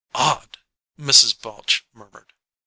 "Odd!" Mrs. Balche murmured.